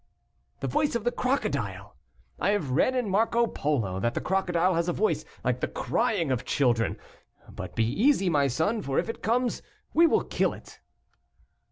"The voice of the crocodile! I have read in Marco Polo, that the crocodile has a voice like the crying of children; but be easy, my son, for if it comes, we will kill it."